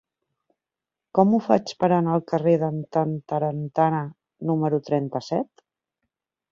Com ho faig per anar al carrer d'en Tantarantana número trenta-set?